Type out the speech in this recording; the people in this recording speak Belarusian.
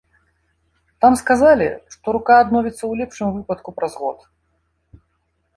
Там сказалі, што рука адновіцца ў лепшым выпадку праз год.